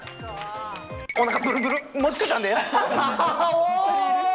おなかブルブルもちこちゃんです！